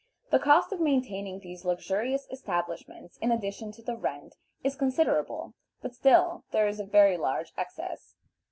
The cost of maintaining these luxurious establishments, in addition to the rent, is considerable, but still there is a very large excess.